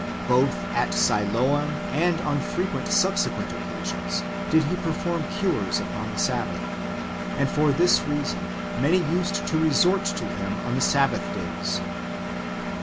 Both at Siloam and on frequent subsequent ^ occasions, did He perform cures upon the Sabbath ; and for this reason many used to resort to Him on the Sabbath days.